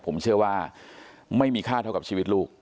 ผมเชื่อว่าไม่มีค่าเท่ากับชีวิตลูก